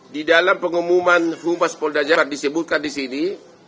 di dalam pengumuman rumah polda jabar disebutkan di sini